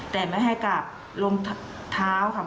แต่ไม่ให้กราบลงเท้าค่ะ